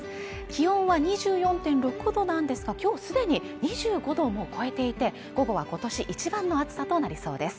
気温は２４．６度なんですが今日すでに２５度を超えていて午後は今年一番の暑さとなりそうです